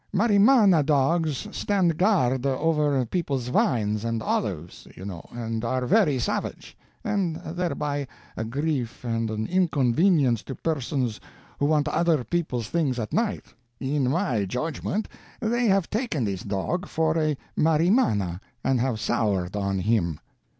Marimana dogs stand guard over people's vines and olives, you know, and are very savage, and thereby a grief and an inconvenience to persons who want other people's things at night. In my judgment they have taken this dog for a marimana, and have soured on him."